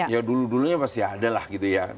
ya dulu dulunya masih ada lah gitu ya